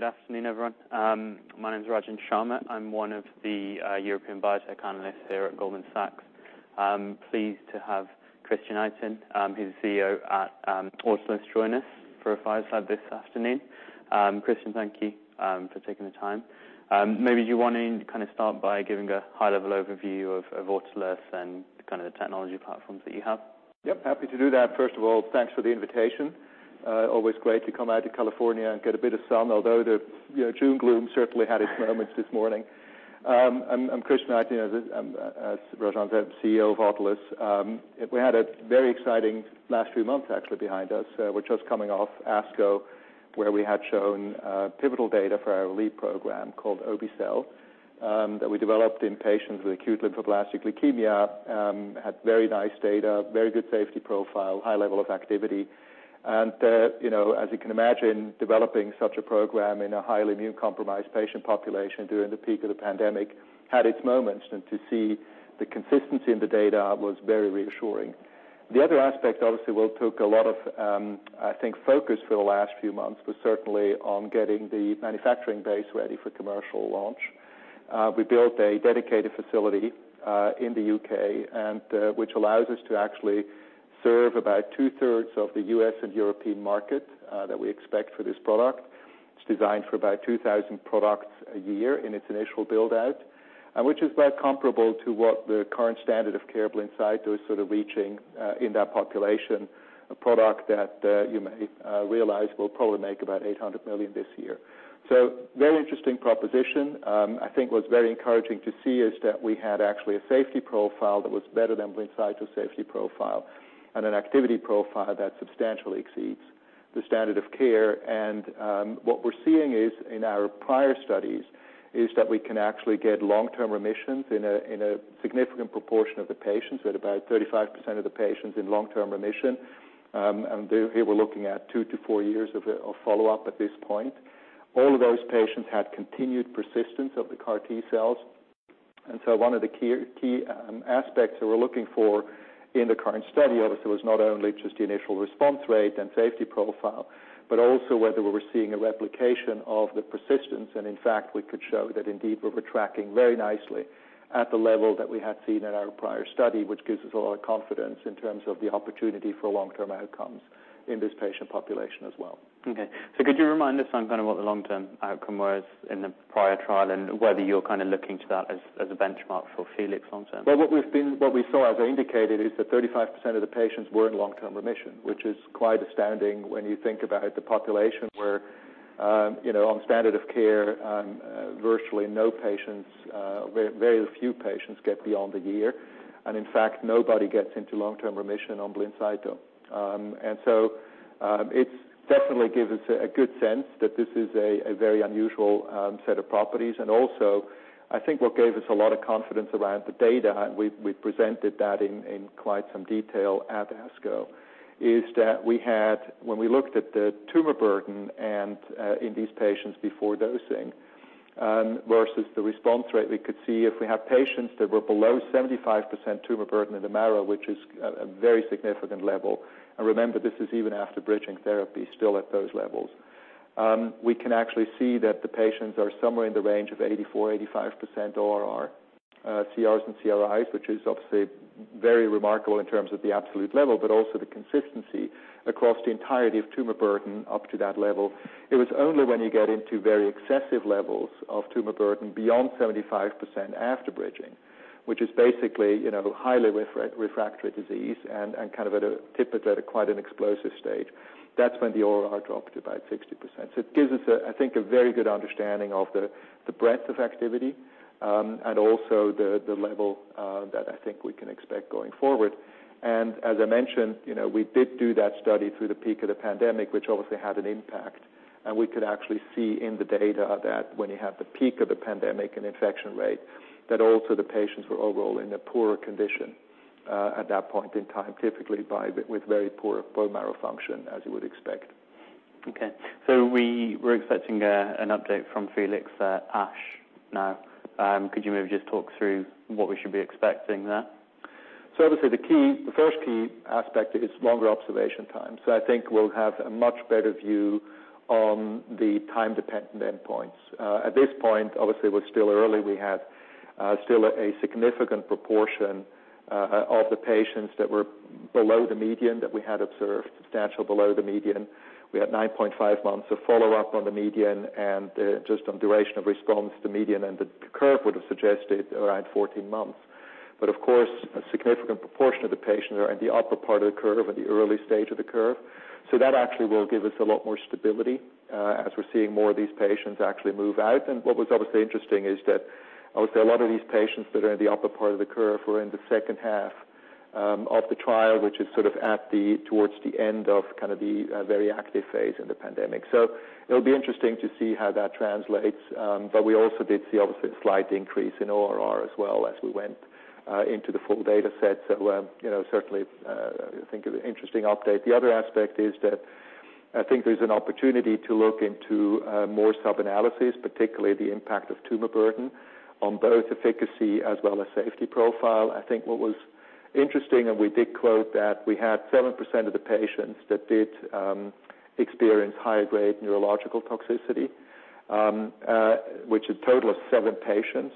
Good afternoon, everyone. My name is Rajan Sharma. I'm one of the European biotech analysts here at Goldman Sachs. I'm pleased to have Christian Itin, who's the CEO at Autolus, join us for a fireside this afternoon. Christian, thank you for taking the time. Maybe you want to kind of start by giving a high-level overview of Autolus and kind of the technology platforms that you have. Yep, happy to do that. First of all, thanks for the invitation. Always great to come out to California and get a bit of sun, although the, you know, June gloom certainly had its moments this morning. I'm Christian Itin, as Rajan Sharma said, CEO of Autolus. We had a very exciting last few months, actually, behind us. We're just coming off ASCO, where we had shown pivotal data for our lead program called obe-cel, that we developed in patients with acute lymphoblastic leukemia. Had very nice data, very good safety profile, high level of activity. You know, as you can imagine, developing such a program in a highly immune-compromised patient population during the peak of the pandemic had its moments, and to see the consistency in the data was very reassuring. The other aspect, obviously, we took a lot of, I think, focus for the last few months, was certainly on getting the manufacturing base ready for commercial launch. We built a dedicated facility in the U.K., which allows us to actually serve about two-thirds of the U.S. and European market that we expect for this product. It's designed for about 2,000 products a year in its initial build-out, which is about comparable to what the current standard of care Blincyto is sort of reaching in that population, a product that you may realize will probably make about $800 million this year. Very interesting proposition. I think what's very encouraging to see is that we had actually a safety profile that was better than Blincyto’s safety profile, and an activity profile that substantially exceeds the standard of care. What we're seeing in our prior studies is that we can actually get long-term remissions in a, in a significant proportion of the patients, with about 35% of the patients in long-term remission. Here we're looking at 2 to 4 years of follow-up at this point. All of those patients had continued persistence of the CAR T-cells. One of the key aspects that we're looking for in the current study, obviously, was not only just the initial response rate and safety profile, but also whether we were seeing a replication of the persistence. In fact, we could show that indeed we were tracking very nicely at the level that we had seen in our prior study, which gives us a lot of confidence in terms of the opportunity for long-term outcomes in this patient population as well. Okay. Could you remind us on kind of what the long-term outcome was in the prior trial, and whether you're kind of looking to that as a benchmark for FELIX long term? Well, what we saw, as I indicated, is that 35% of the patients were in long-term remission, which is quite astounding when you think about the population where, you know, on standard of care, virtually no patients, very, very few patients get beyond a year. In fact, nobody gets into long-term remission on Blincyto. So, it definitely gives us a good sense that this is a very unusual set of properties. I think what gave us a lot of confidence around the data, and we presented that in quite some detail at ASCO, is that when we looked at the tumor burden in these patients before dosing versus the response rate, we could see if we had patients that were below 75% tumor burden in the marrow, which is a very significant level, and remember, this is even after bridging therapy, still at those levels. We can actually see that the patients are somewhere in the range of 84%–85% ORR, CRs and CRIs, which is obviously very remarkable in terms of the absolute level, but also the consistency across the entirety of tumor burden up to that level. It was only when you get into very excessive levels of tumor burden beyond 75% after bridging, which is basically, you know, highly refractory disease and kind of typically, at quite an explosive stage. That's when the ORR dropped to about 60%. It gives us a, I think, a very good understanding of the breadth of activity, and also the level that I think we can expect going forward. As I mentioned, you know, we did do that study through the peak of the pandemic, which obviously had an impact, and we could actually see in the data that when you have the peak of the pandemic and infection rate, that also the patients were overall in a poorer condition at that point in time, typically with very poor bone marrow function, as you would expect. Okay. We were expecting an update from FELIX, ASH now. Could you maybe just talk through what we should be expecting there? Obviously, the first key aspect is longer observation time. I think we'll have a much better view on the time-dependent endpoints. At this point, obviously, we're still early. We had still a significant proportion of the patients that were below the median that we had observed, substantially below the median. We had 9.5 months of follow-up on the median, and just on duration of response, the median and the curve would have suggested around 14 months. Of course, a significant proportion of the patients are in the upper part of the curve, at the early stage of the curve. That actually will give us a lot more stability as we're seeing more of these patients actually move out. What was obviously interesting is that, obviously, a lot of these patients that are in the upper part of the curve were in the second half of the trial, which is sort of towards the end of kind of the very active phase in the pandemic. It'll be interesting to see how that translates, but we also did see obviously a slight increase in ORR as well as we went into the full data set. You know, certainly, I think an interesting update. The other aspect is that I think there's an opportunity to look into more sub-analysis, particularly the impact of tumor burden, on both efficacy as well as safety profile. I think what was... interesting. We did quote that we had 7% of the patients experienced high-grade neurological toxicity, which was a total of 7 patients.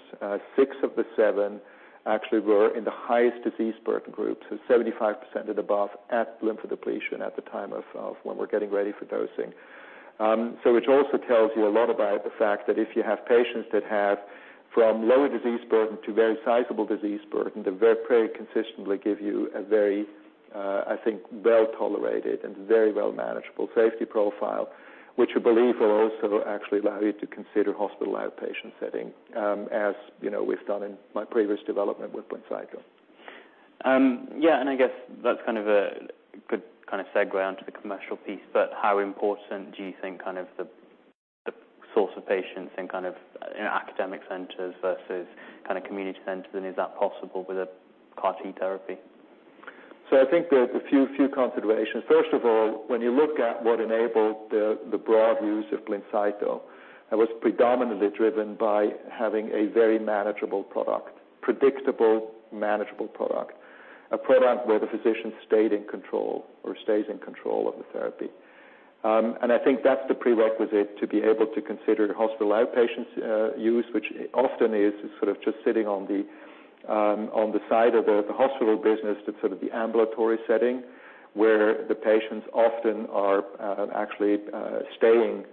6 of the 7 actually were in the highest disease burden group, so 75% and above at lymphodepletion at the time of when we're getting ready for dosing, which also tells you a lot about the fact that if you have patients with low to very sizable disease burden to very sizable disease burden, they very, very consistently give you a very, I think, well-tolerated and very well manageable safety profile. Which we believe will also actually allow you to consider hospital outpatient setting, as, you know, we've done in my previous development with Blincyto. Yeah, I guess that's a good segue on to the commercial piece. How important do you think kind of the source of patients and kind of, in academic centers versus kind of community centers, and is that possible with a CAR T therapy? I think there's a few considerations. First of all, when you look at what enabled the broad use of Blincyto, it was predominantly driven by having a very manageable product, predictable, manageable product. A product where the physician stayed in control or stays in control of the therapy. I think that's the prerequisite to be able to consider hospital outpatient use, which often is sort of just sitting on the side of the hospital business. That's sort of the ambulatory setting, where the patients often are actually staying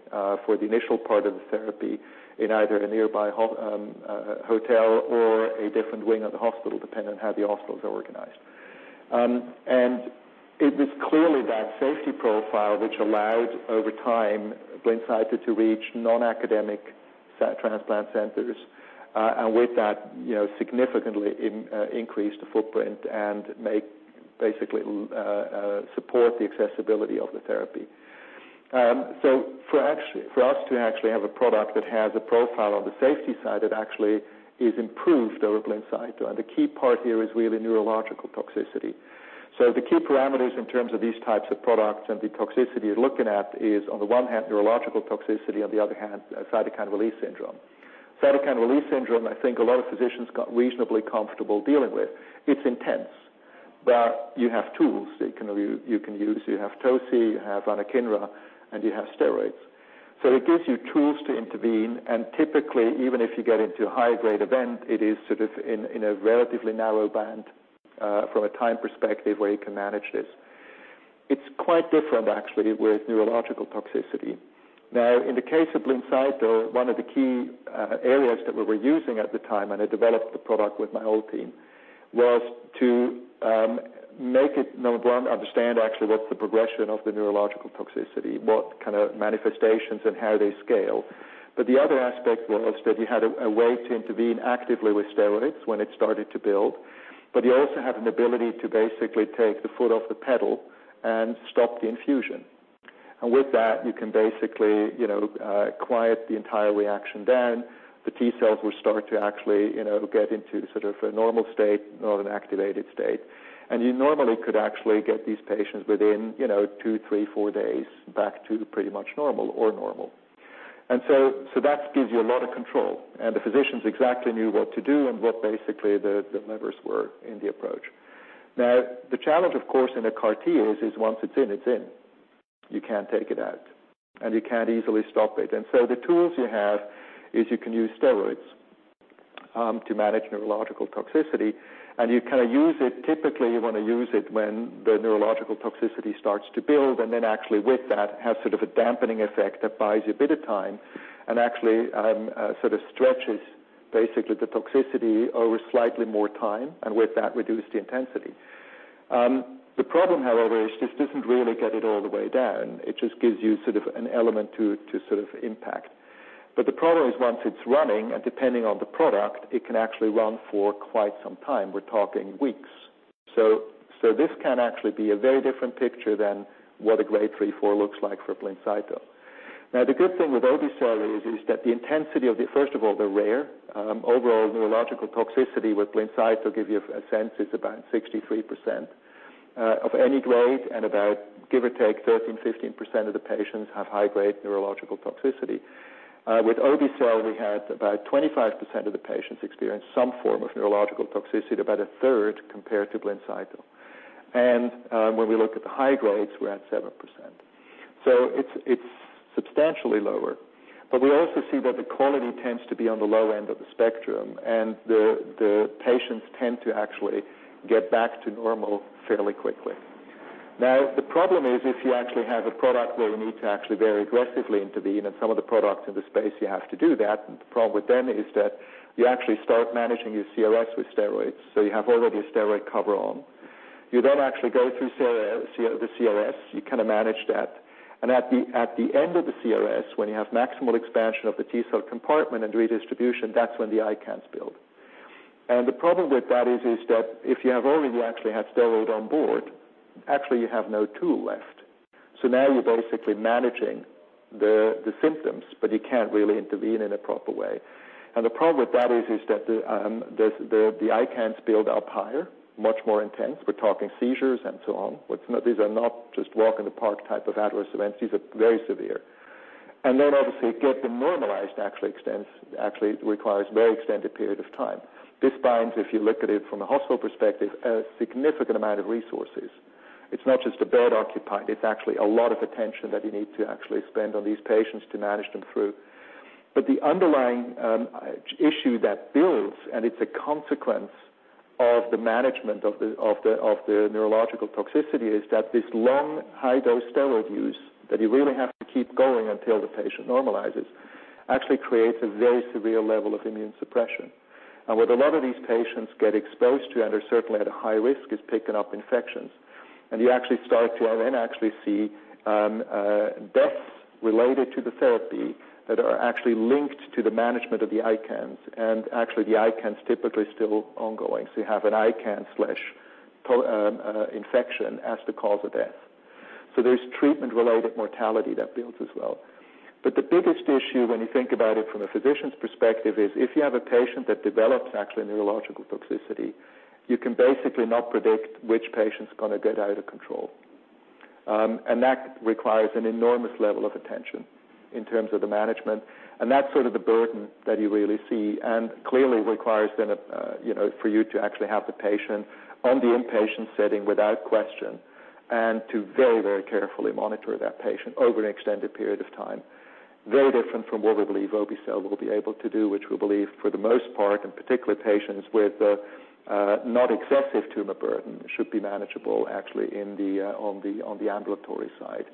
for the initial part of the therapy in either a nearby hotel or a different wing of the hospital, depending on how the hospital is organized. It was clearly that safety profile, which allowed, over time, Blincyto to reach non-academic site transplant centers, and with that, you know, significantly increase the footprint and make support the accessibility of the therapy. For us to actually have a product that has a profile on the safety side, that actually is improved over Blincyto, and the key part here is really neurological toxicity. The key parameters in terms of these types of products and the toxicity you're looking at, is on the one hand, neurological toxicity, on the other hand, cytokine release syndrome. Cytokine release syndrome, I think a lot of physicians got reasonably comfortable dealing with. It's intense, you have tools that you can use. You have Tocilizumab, you have Anakinra, you have steroids. It gives you tools to intervene, and typically, even if you get into a high-grade event, it is sort of in a relatively narrow band from a time perspective where you can manage this. It's quite different, actually, with neurological toxicity. Now, in the case of Blincyto, one of the key areas that we were using at the time, and I developed the product with my old team, was to make it, number one, understand actually what's the progression of the neurological toxicity, what kind of manifestations and how they scale. The other aspect was that you had a way to intervene actively with steroids when it started to build, but you also had an ability to basically take the foot off the pedal and stop the infusion. With that, you can basically, you know, quiet the entire reaction down. The T-cells will start to actually, you know, get into sort of a normal state, not an activated state. You normally could actually get these patients within, you know, two, three, four days back to pretty much normal or normal. That gives you a lot of control, and the physicians exactly knew what to do and what basically the levers were in the approach. The challenge, of course, in the CAR T is once it's in, it's in. You can't take it out, and you can't easily stop it. The tools you have is you can use steroids to manage neurological toxicity, and you kind of use it... Typically, you want to use it when the neurological toxicity starts to build, and actually with that, have sort of a dampening effect that buys you a bit of time and actually, sort of stretches, basically, the toxicity over slightly more time, and with that, reduce the intensity. The problem, however, is this doesn't really get it all the way down. It just gives you sort of an element to sort of impact. The problem is, once it's running, and depending on the product, it can actually run for quite some time. We're talking weeks. This can actually be a very different picture than what a grade 3, 4 looks like for Blincyto. The good thing with obe-cel is that the intensity of first of all, they're rare. Overall, neurological toxicity with Blincyto, to give you a sense, is about 63% of any grade, and about, give or take, 13%-15% of the patients have high-grade neurological toxicity. With obe-cel, we had about 25% of the patients experience some form of neurological toxicity, about a third compared to Blincyto. When we look at the high grades, we're at 7%. It's substantially lower. We also see that the quality tends to be on the low end of the spectrum, and the patients tend to actually get back to normal fairly quickly. The problem is, if you actually have a product where you need to actually very aggressively intervene, and some of the products in the space, you have to do that. The problem with them is that you actually start managing your CRS with steroids, so you have already a steroid cover on. You don't actually go through the CRS, you kind of manage that. At the end of the CRS, when you have maximal expansion of the T-cell compartment and redistribution, that's when the ICANS builds. The problem with that is that if you have already actually have steroid on board, actually you have no tool left. Now you're basically managing the symptoms, but you can't really intervene in a proper way. The problem with that is that the ICANS builds up higher, much more intense. We're talking seizures and so on, which these are not just walk in the park type of adverse events. These are very severe. Obviously get them normalized actually extends, actually requires very extended period of time. This binds up, if you look at it from a hospital perspective, a significant amount of resources. It's not just a bed occupied, it's actually a lot of attention that you need to actually spend on these patients to manage them through. The underlying issue that builds, and it's a consequence of the management of the, of the, of the neurological toxicity, is that this long, high-dose steroid use, that you really have to keep going until the patient normalizes, actually creates a very severe level of immune suppression. What a lot of these patients get exposed to, and are certainly at a high risk, is picking up infections. You actually start to then actually see deaths related to the therapy that are actually linked to the management of the ICANS. Actually, the ICANS typically still ongoing. You have an ICANS infection as the cause of death. There's treatment-related mortality that builds as well. The biggest issue, when you think about it from a physician's perspective, is if you have a patient that develops actually neurological toxicity, you can basically not predict which patient's gonna get out of control. That requires an enormous level of attention in terms of the management, and that's sort of the burden that you really see, and clearly requires then a, you know, for you to actually have the patient on the inpatient setting without question, and to very, very carefully monitor that patient over an extended period of time. Very different from what we believe obe-cel will be able to do, which we believe for the most part, and particularly patients with not excessive tumor burden, should be manageable actually on the ambulatory side,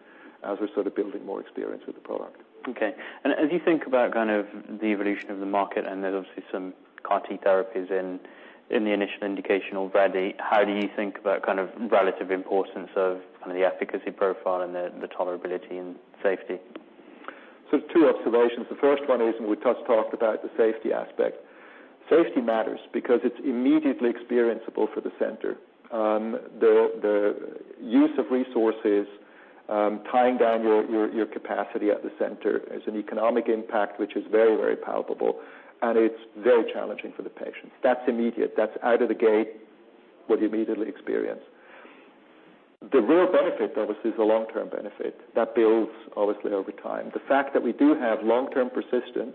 as we're sort of building more experience with the product. Okay. As you think about kind of the evolution of the market, and there's obviously some CAR T therapies in the initial indication already, how do you think about kind of relative importance of kind of the efficacy profile and the tolerability and safety? Two observations. The first one is, we just talked about the safety aspect. Safety matters because it's immediately experienceable for the center. The use of resources, tying down your capacity at the center is an economic impact, which is very, very palpable, and it's very challenging for the patients. That's immediate. That's out of the gate, what you immediately experience. The real benefit, obviously, is the long-term benefit. That builds obviously over time. The fact that we do have long-term persistence,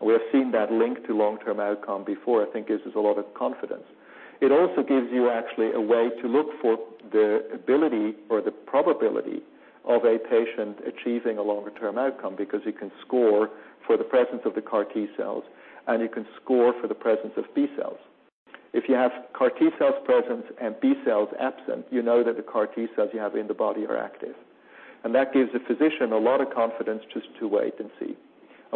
and we have seen that link to long-term outcome before, I think gives us a lot of confidence. It also gives you actually a way to look for the ability or the probability of a patient achieving a longer term outcome, because you can score for the presence of the CAR T-cells, and you can score for the presence of B-cells. If you have CAR T-cells present and B-cells absent, you know that the CAR T-cells you have in the body are active. That gives the physician a lot of confidence just to wait and see.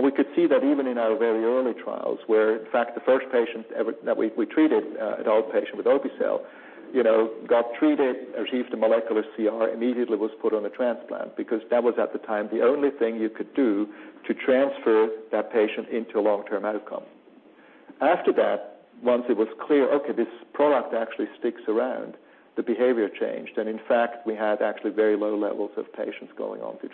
We could see that even in our very early trials, where in fact, the first patient ever we treated an out patient with obe-cel, you know, got treated, achieved a molecular CR, immediately was put on a transplant, because that was, at the time, the only thing you could do to transfer that patient into a long-term outcome. After that, once it was clear, okay, this product actually sticks around, the behavior changed. In fact, we had actually very low levels of patients going on to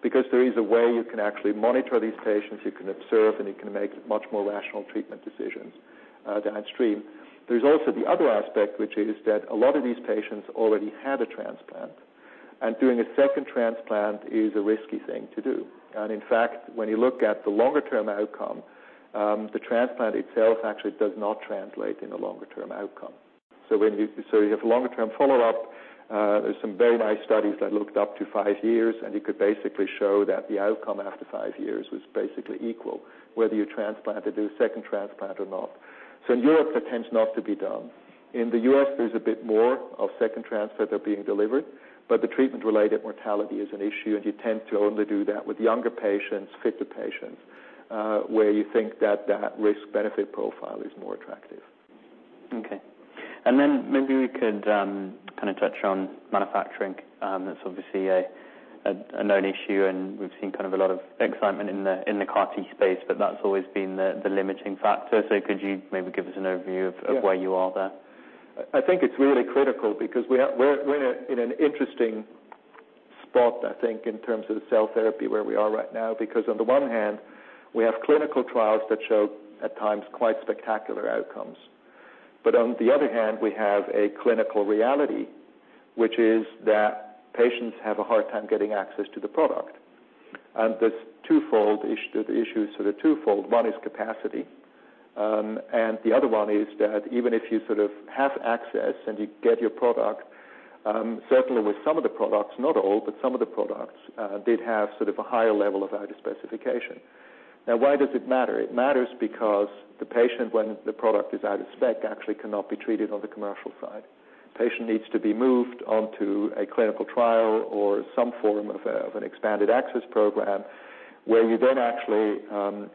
transplant. There is a way you can actually monitor these patients, you can observe, and you can make much more rational treatment decisions downstream. There's also the other aspect, which is that a lot of these patients already had a transplant, and doing a second transplant is a risky thing to do. In fact, when you look at the longer term outcome, the transplant itself actually does not translate in a longer term outcome. You have longer term follow-up, there's some very nice studies that looked up to five years, and you could basically show that the outcome after five years was basically equal, whether you transplanted, do a second transplant or not. In Europe, it tends not to be done. In the U.S., there's a bit more of second transplants that are being delivered, but the treatment-related mortality is an issue, and you tend to only do that with younger patients, fitter patients, where you think that that risk-benefit profile is more attractive. Okay. Then maybe we could, kind of touch on manufacturing. That's obviously a known issue, and we've seen kind of a lot of excitement in the CAR T space, but that's always been the limiting factor. Could you maybe give us an overview? Yeah... of where you are there? I think it's really critical because we're in an interesting spot, I think, in terms of the cell therapy, where we are right now. On the one hand, we have clinical trials that show, at times, quite spectacular outcomes. On the other hand, we have a clinical reality, which is that patients have a hard time getting access to the product. The issues are twofold. One is capacity, and the other one is that even if you sort of have access and you get your product, certainly with some of the products, not all, but some of the products did have sort of a higher level of Out of Specification. Why does it matter? It matters because the patient, when the product is Out of Spec, actually cannot be treated on the commercial side. Patient needs to be moved onto a clinical trial or some form of an expanded access program, where you then actually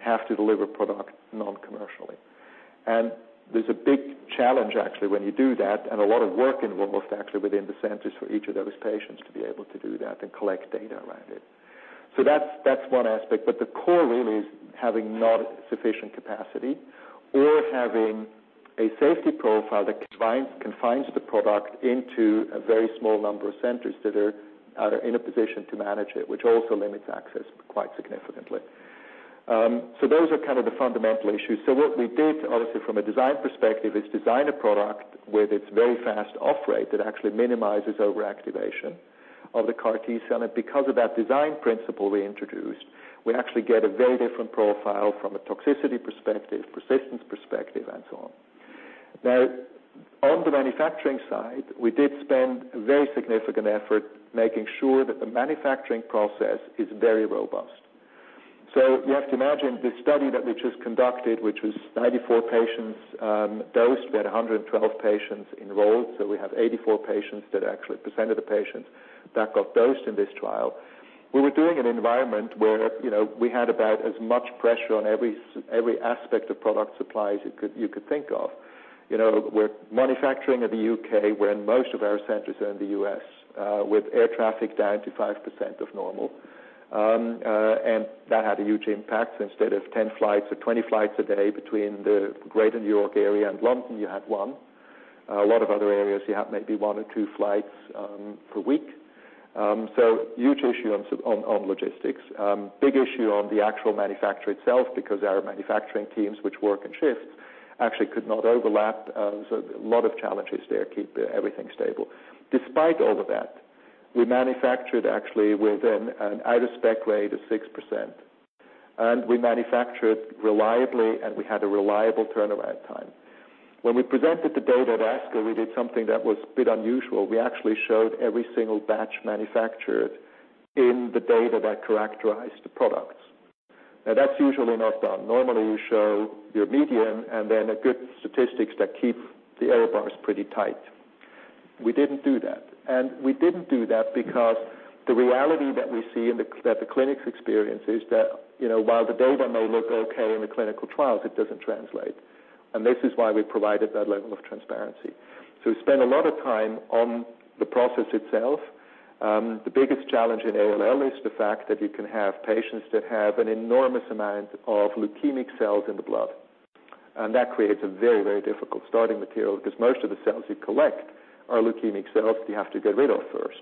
have to deliver product non-commercially. There's a big challenge, actually, when you do that, and a lot of work involved actually within the centers for each of those patients to be able to do that and collect data around it. That's, that's one aspect, but the core really is having not sufficient capacity or having a safety profile that confines the product into a very small number of centers that are in a position to manage it, which also limits access quite significantly. Those are kind of the fundamental issues. What we did, obviously, from a design perspective, is design a product with its very fast off-rate that actually minimizes over-activation of the CAR T-cell. Because of that design principle we introduced, we actually get a very different profile from a toxicity perspective, persistence perspective, and so on. Now, on the manufacturing side, we did spend very significant effort making sure that the manufacturing process is very robust. You have to imagine, this study that we just conducted, which was 94 patients dosed, we had 112 patients enrolled, so we have 84% of the patients of the patients that got dosed in this trial. We were doing an environment where, you know, we had about as much pressure on every aspect of product supplies you could think of. You know, we're manufacturing in the U.K., when most of our centers are in the U.S., with air traffic down to 5% of normal. That had a huge impact. Instead of 10 flights or 20 flights a day between the greater New York area and London, you had 1. A lot of other areas, you had maybe 1 or 2 flights per week. Huge issue on logistics. Big issue on the actual manufacture itself, because our manufacturing teams, which work in shifts, actually could not overlap. A lot of challenges there, keep everything stable. Despite all of that, we manufactured actually within an out-of-spec rate of 6%, and we manufactured reliably, and we had a reliable turnaround time. When we presented the data at ASCO, we did something that was a bit unusual. We actually showed every single batch manufactured in the data that characterized the products. Now, that's usually not done. Normally, you show your median and then a good statistics that keep the error bars pretty tight. We didn't do that. We didn't do that because the reality that we see in the clinics experience is that, you know, while the data may look okay in the clinical trials, it doesn't translate. This is why we provided that level of transparency. We spent a lot of time on the process itself. The biggest challenge in ALL is the fact that you can have patients that have an enormous amount of leukemic cells in the blood, that creates a very, very difficult starting material, because most of the cells you collect are leukemic cells you have to get rid of first.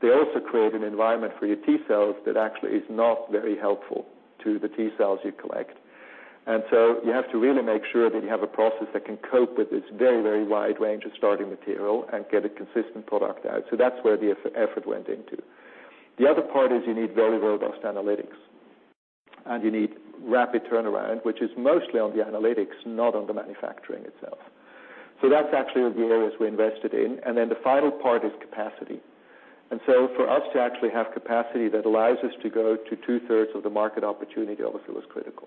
They also create an environment for your T-cells that actually is not very helpful to the T-cells you collect. You have to really make sure that you have a process that can cope with this very, very wide range of starting material and get a consistent product out. That's where the effort went. The other part is you need very robust analytics, and you need rapid turnaround, which is mostly on the analytics, not on the manufacturing itself. That's actually the areas we invested in, and then the final part is capacity. For us to actually have capacity that allows us to go to two-thirds of the market opportunity, obviously, was critical.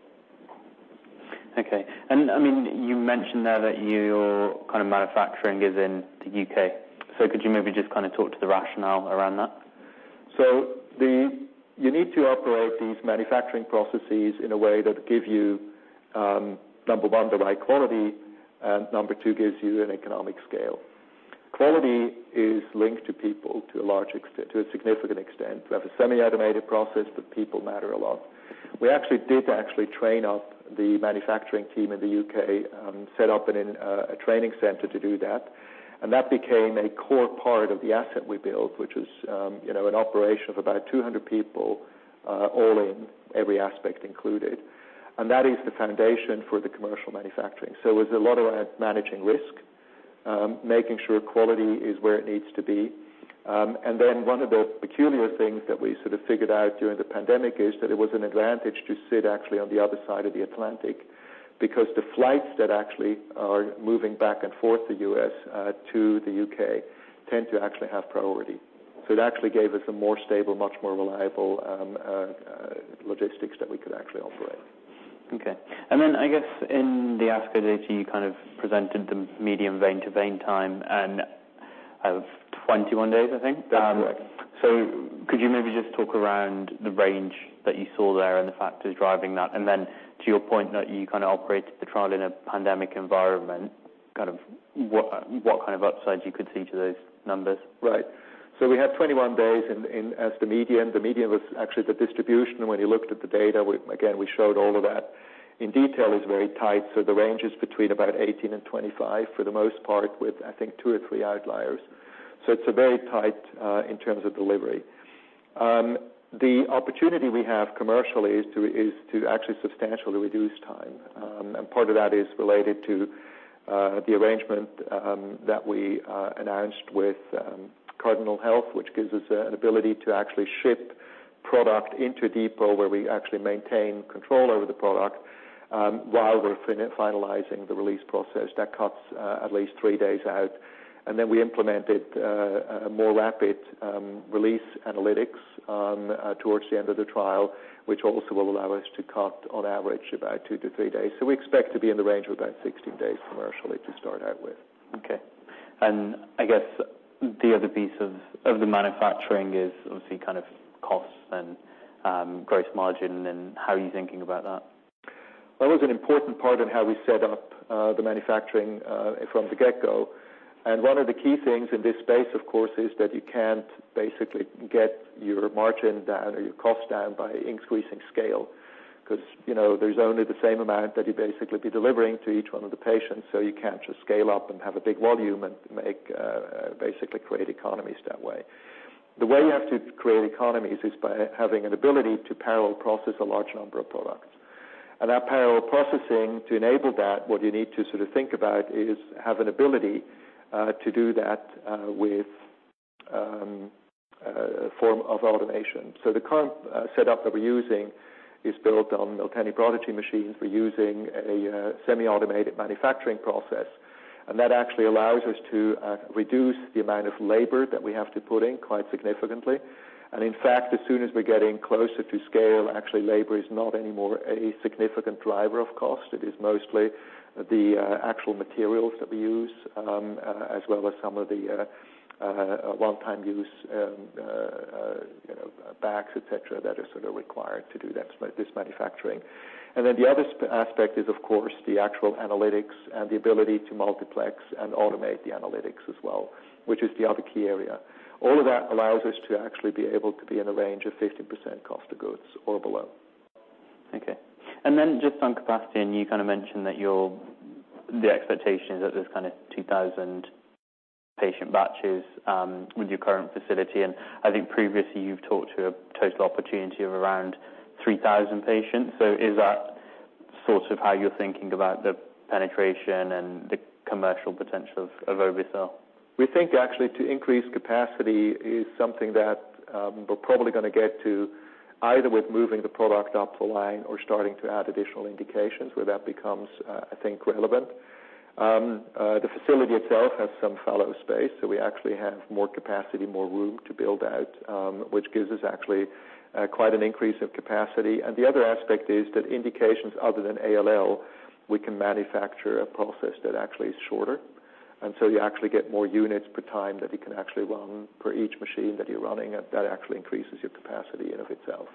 Okay. I mean, you mentioned there that your kind of manufacturing is in the U.K., so could you maybe just kind of talk to the rationale around that? You need to operate these manufacturing processes in a way that gives you, number one, the right quality, and number two, gives you an economic scale. Quality is linked to people to a significant extent. We have a semi-automated process, but people matter a lot. We actually did train up the manufacturing team in the U.K., set up a training center to do that, and that became a core part of the asset we built, which was, you know, an operation of about 200 people, all in, every aspect included, and that is the foundation for the commercial manufacturing. It was a lot around managing risk, making sure quality is where it needs to be. One of the peculiar things that we sort of figured out during the pandemic is that it was an advantage to sit actually on the other side of the Atlantic, because the flights that actually are moving back and forth, the U.S., to the U.K., tend to actually have priority. It actually gave us a more stable, much more reliable, logistics that we could actually operate. Okay. Then I guess in the ASCO data, you kind of presented the median vein-to-vein time and out of 21 days, I think? That's correct. Could you maybe just talk around the range that you saw there and the factors driving that? To your point, that you kind of operated the trial in a pandemic environment, kind of what kind of upside you could see to those numbers? Right. We had 21 days as the median. The median was actually the distribution, when you looked at the data, we again, we showed all of that in detail, is very tight, so the range is between about 18 and 25 for the most part, with, I think, two or three outliers. It's very tight in terms of delivery. The opportunity we have commercially is to actually substantially reduce time, and part of that is related to the arrangement that we announced with Cardinal Health, which gives us an ability to actually ship product into a depot, where we actually maintain control over the product while we're finalizing the release process. That cuts at least 3 days out. We implemented a more rapid release analytics towards the end of the trial, which also will allow us to cut on average about 2–3 days. We expect to be in the range of about 16 days commercially to start out with. Okay. I guess the other piece of the manufacturing is obviously kind of costs and gross margin, and how are you thinking about that? Well, it was an important part in how we set up the manufacturing from the get-go. One of the key things in this space, of course, is that you can't basically get your margin down or your cost down by increasing scale, because, you know, there's only the same amount that you'd basically be delivering to each one of the patients, so you can't just scale up and have a big volume and make basically create economies that way. The way you have to create economies is by having an ability to parallel process a large number of products. That parallel processing, to enable that, what you need to sort of think about is have an ability to do that with a form of automation. The current setup that we're using is built on CliniMACS Prodigy machines. We're using a semi-automated manufacturing process. That actually allows us to reduce the amount of labor that we have to put in quite significantly. In fact, as soon as we're getting closer to scale, actually labor is not anymore a significant driver of cost. It is mostly the actual materials that we use, as well as some of the one-time use, you know, bags, et cetera, that are sort of required to do this manufacturing. Then the other aspect is, of course, the actual analytics and the ability to multiplex and automate the analytics as well, which is the other key area. All of that allows us to actually be able to be in a range of 50% cost of goods sold (COGS) or below. Okay. Just on capacity, and you kind of mentioned that the expectation is that there's kind of 2,000 patient batches with your current facility, and I think previously you've talked to a total opportunity of around 3,000 patients. Is that sort of how you're thinking about the penetration and the commercial potential of obe-cel? We think actually to increase capacity is something that we're probably gonna get to, either with moving the product up the line or starting to add additional indications where that becomes, I think, relevant. The facility itself has some fallow space. We actually have more capacity, more room to build out, which gives us actually quite an increase of capacity. The other aspect is that indications other than ALL, we can manufacture a process that actually is shorter. You actually get more units per time that you can actually run per each machine that you're running, and that actually increases your capacity in of itself.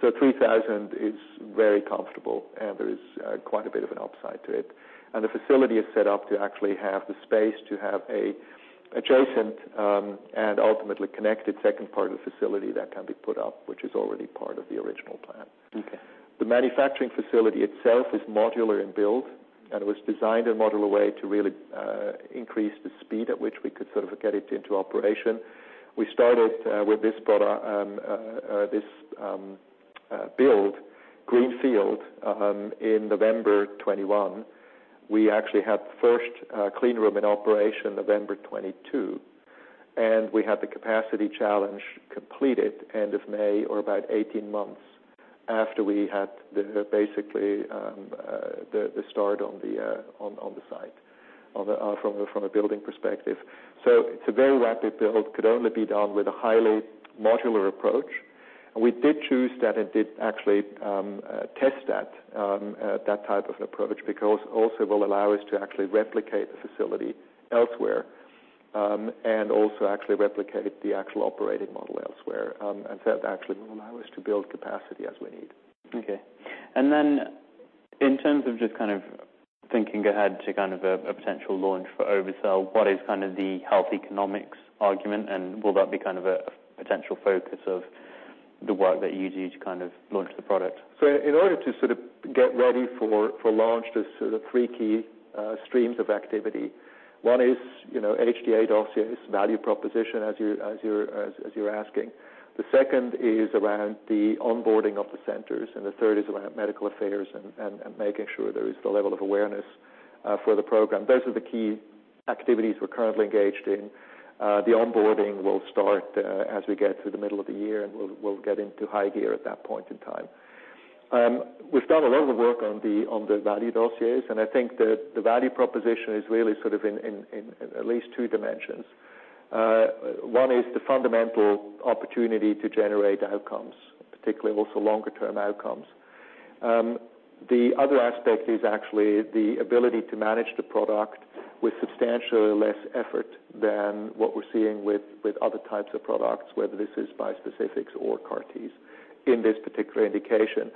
3,000 is very comfortable, and there is quite a bit of an upside to it. The facility is set up to actually have the space to have a adjacent and ultimately connected second part of the facility that can be put up, which is already part of the original plan. Okay. The manufacturing facility itself is modular in build, and it was designed in a modular way to really increase the speed at which we could sort of get it into operation. We started with this product... this build, greenfield, in November 2021. We actually had the first clean room in operation November 2022, and we had the capacity challenge completed end of May, or about 18 months after we had basically, the start on the site, on the... from a building perspective. It's a very rapid build, could only be done with a highly modular approach. We did choose that and did actually test that that type of an approach, because also will allow us to actually replicate the facility elsewhere, and also actually replicate the actual operating model elsewhere. That actually will allow us to build capacity as we need. Okay. Then in terms of just kind of thinking ahead to kind of a potential launch for obe-cel, what is kind of the health economics argument, and will that be kind of a potential focus of the work that you do to kind of launch the product? In order to sort of get ready for launch, there's sort of three key streams of activity. One is, you know, HTA dossiers, value proposition, as you're asking. The second is around the onboarding of the centers, and the third is around medical affairs and making sure there is the level of awareness for the program. Those are the key activities we're currently engaged in. The onboarding will start as we get to the middle of the year, and we'll get into high gear at that point in time. We've done a lot of work on the value dossiers, and I think the value proposition is really sort of in at least two dimensions. One is the fundamental opportunity to generate outcomes, particularly also longer-term outcomes. The other aspect is actually the ability to manage the product with substantially less effort than what we're seeing with other types of products, whether this is bispecifics or CAR-Ts, in this particular indication.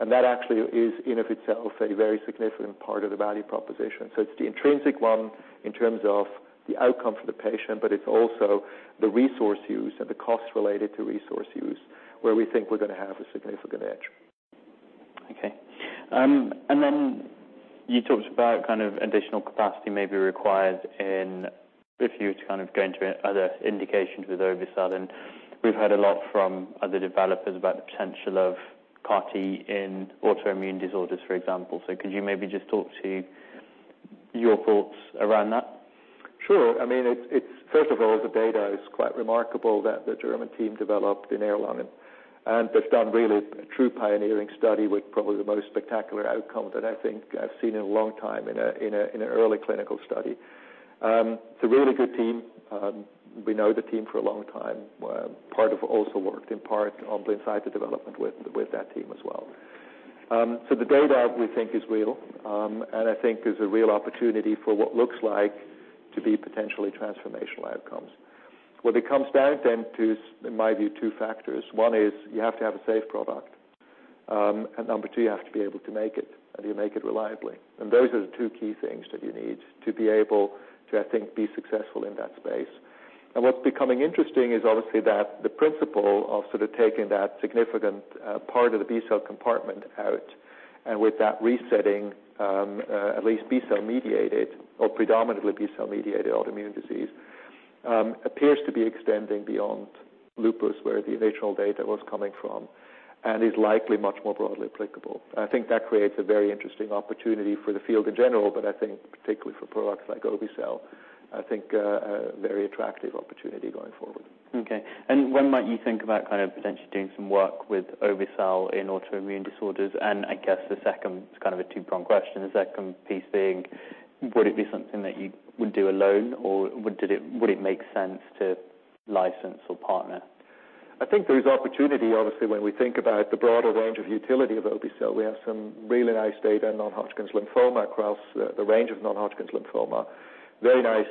That actually is, in of itself, a very significant part of the value proposition. It's the intrinsic one in terms of the outcome for the patient, but it's also the resource use and the cost related to resource use, where we think we're gonna have a significant edge. Okay. Then you talked about kind of additional capacity may be required in, if you to kind of go into other indications with obe-cel, and we've heard a lot from other developers about the potential of CAR T in autoimmune disorders, for example. Could you maybe just talk to your thoughts around that? Sure. I mean, it's First of all, the data is quite remarkable that the German team developed in Erlangen, and they've done really a true pioneering study with probably the most spectacular outcome that I think I've seen in a long time in an early clinical study. It's a really good team. We know the team for a long time. Also worked in part on the inside the development with that team as well. The data we think is real, and I think there's a real opportunity for what looks like to be potentially transformational outcomes. What it comes down then to, in my view, two factors: One is you have to have a safe product. Number two, you have to be able to make it, and you make it reliably. Those are the two key things that you need to be able to, I think, be successful in that space. What's becoming interesting is obviously that the principle of sort of taking that significant part of the B-cell compartment out and with that resetting, at least B-cell mediated or predominantly B-cell mediated autoimmune disease, appears to be extending beyond lupus, where the initial data was coming from, and is likely much more broadly applicable. I think that creates a very interesting opportunity for the field in general, but I think particularly for products like obe-cel, I think, a very attractive opportunity going forward. Okay. When might you think about kind of potentially doing some work with obe-cel in autoimmune disorders? I guess the second, it's kind of a two-prong question, the second piece being, would it be something that you would do alone, or would it make sense to license or partner? I think there is opportunity, obviously, when we think about the broader range of utility of obe-cel. We have some really nice data on non-Hodgkin's lymphoma across the range of non-Hodgkin's lymphoma. Very nice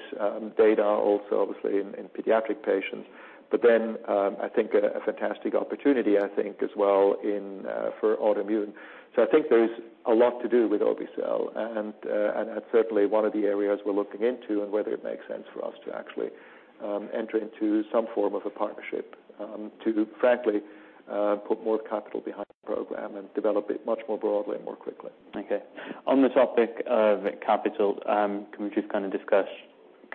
data also, obviously, in pediatric patients. I think a fantastic opportunity, I think, as well and for autoimmune. I think there's a lot to do with obe-cel, and certainly one of the areas we're looking into and whether it makes sense for us to actually enter into some form of a partnership, to frankly put more capital behind the program and develop it much more broadly and more quickly. Okay. On the topic of capital, can we just kind of discuss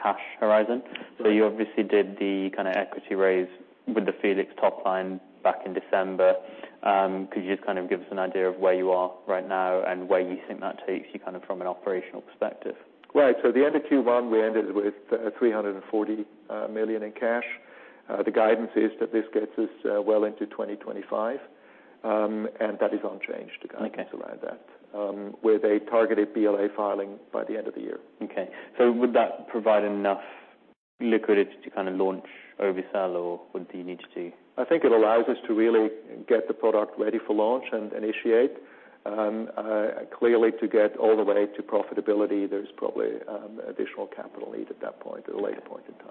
cash horizon? Sure. You obviously did the kind of equity raise with the FELIX top line back in December. Could you just kind of give us an idea of where you are right now and where you think that takes you, kind of from an operational perspective? The end of Q1, we ended with $340 million in cash. The guidance is that this gets us well into 2025, and that is unchanged. Okay around that. with a targeted BLA filing by the end of the year. Okay. Would that provide enough liquidity to kind of launch obe-cel, or would you need to? I think it allows us to really get the product ready for launch and initiate. Clearly, to get all the way to profitability, there's probably additional capital need at that point, at a later point in time.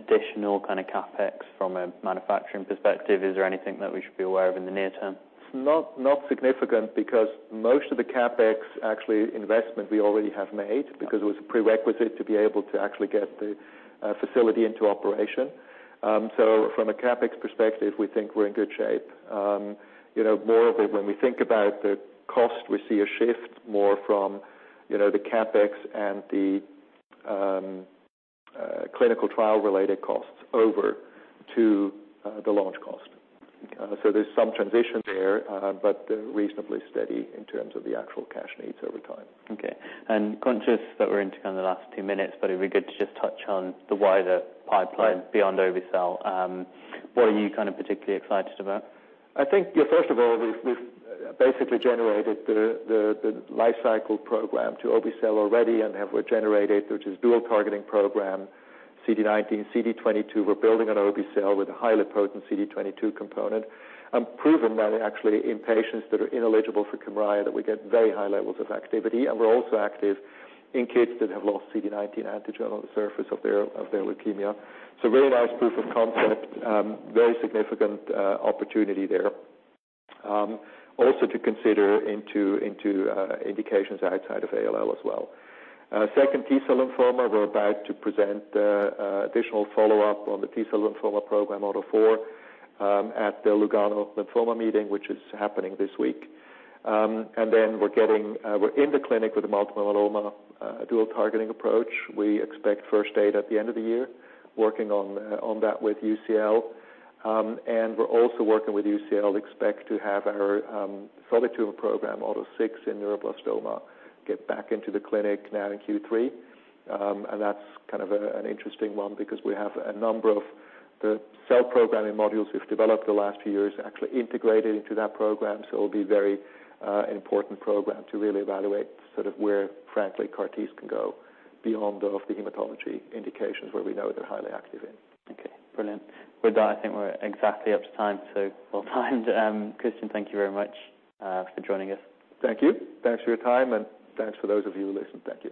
Additional kind of CapEx from a manufacturing perspective, is there anything that we should be aware of in the near term? Not significant, because most of the CapEx, actually, investment we already have made, because it was a prerequisite to be able to actually get the facility into operation. From a CapEx perspective, we think we're in good shape. You know, more of it, when we think about the cost, we see a shift more from, you know, the CapEx and the clinical trial-related costs over to the launch cost. Okay. There's some transition there, but reasonably steady in terms of the actual cash needs over time. Okay. Conscious that we're into kind of the last two minutes, it'd be good to just touch on the wider pipeline. Right beyond obe-cel. What are you kind of particularly excited about? I think, first of all, we've basically generated the life cycle program to obe-cel already, and have generated a dual-targeting program, CD19, CD22. We're building on obe-cel with a highly potent CD22 component, and proven that actually in patients that are ineligible for Kymriah, that we get very high levels of activity, and we're also active in kids that have lost CD19 antigen on the surface of their leukemia. Really nice proof of concept, very significant opportunity there. Also to consider into indications outside of ALL as well. Second, T-cell lymphoma, we're about to present additional follow-up on the T-cell lymphoma program, AUTO4, at the Lugano Lymphoma Meeting, which is happening this week. We're in the clinic with the multiple myeloma, dual targeting approach. We expect first data at the end of the year, working on that with UCL. We're also working with UCL, expect to have our solid tumor program, AUTO6, in neuroblastoma, get back into the clinic now in Q3. That's kind of an interesting one because we have a number of the cell programming modules we've developed the last few years, actually integrated into that program, so it'll be very important program to really evaluate sort of where, frankly, CAR T-cells can go beyond the hematology indications where we know they're highly active in Okay, brilliant. With that, I think we're exactly up to time, so well timed. Christian, thank you very much for joining us. Thank you. Thanks for your time, and thanks for those of you who listened. Thank you.